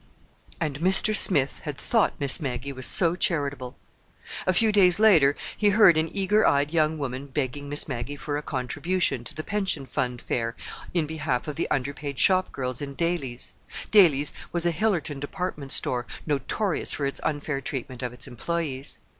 And Mr. Smith had thought Miss Maggie was so charitable! A few days later he heard an eager eyed young woman begging Miss Maggie for a contribution to the Pension Fund Fair in behalf of the underpaid shopgirls in Daly's. Daly's was a Hillerton department Store, notorious for its unfair treatment of its employees.